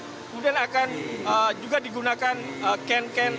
kemudian akan juga digunakan ken ken